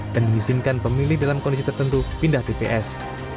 dan diizinkan pemilih dalam kondisi tertentu pindah tps